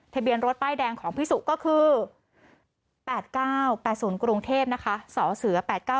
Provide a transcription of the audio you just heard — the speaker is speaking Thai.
ทะเบียนรถป้ายแดงของพี่สุก็คือ๘๙๘๐กรุงเทพนะคะสเส๘๙